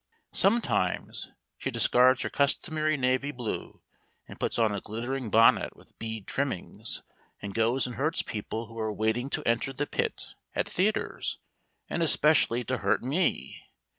Sometimes she discards her customary navy blue and puts on a glittering bonnet with bead trimmings, and goes and hurts people who are waiting to enter the pit at theatres, and especially to hurt me.